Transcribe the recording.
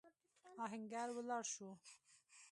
آهنګر ولاړ شو.